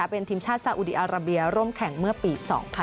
เป็นทีมชาติสาอุดีอาราเบียร่วมแข่งเมื่อปี๒๐๑๖